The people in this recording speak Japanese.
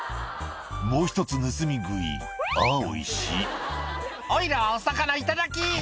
「もう１つ盗み食いあぁおいしい」「おいらはお魚頂き！」